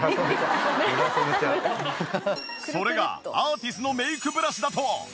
それがアーティスのメイクブラシだと。